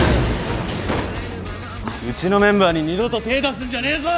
うちのメンバーに二度と手出すんじゃねえぞ！